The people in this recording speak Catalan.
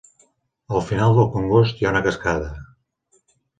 Al final del congost hi ha una cascada.